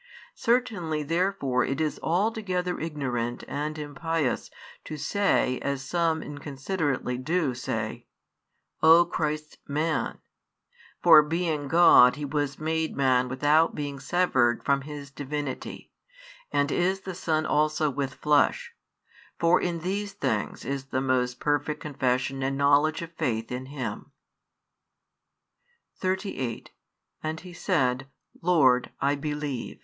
Certainly therefore it is altogether ignorant and impious to say as some inconsiderately do say: "O Christ's man," for being God He was made man without being severed from His Divinity, and is the Son also with flesh: for in these things is the most perfect confession and knowledge of faith in Him. 38 And he said, Lord, I believe.